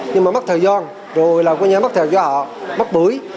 nhưng mà mất thời gian rồi là mất thời gian cho họ mất bưởi